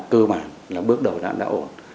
cơ bản là bước đầu đã ổn